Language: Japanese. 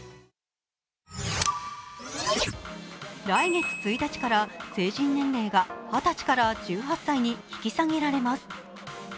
来月１日から成人年齢が二十歳から１８歳に引き下げられます。